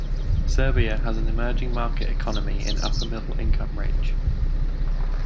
Serbia has an emerging market economy in upper-middle income range.